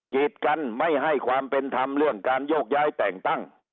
กิจกันไม่ให้ความเป็นธรรมเรื่องการโยกย้ายแต่งตั้ง